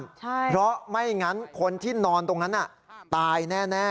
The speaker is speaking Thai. ใช่เพราะไม่งั้นคนที่นอนตรงนั้นน่ะตายแน่